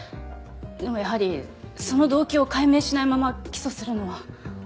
でもやはりその動機を解明しないまま起訴するのは。